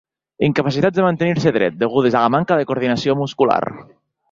Incapacitats de mantenir-se dret, degudes a la manca de coordinació muscular.